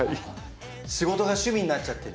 仕事が趣味になっちゃってる。